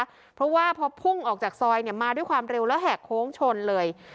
เพราะว่าพอพุ่งออกจากซอยเนี่ยมาด้วยความเร็วแล้วแหกโค้งชนเลย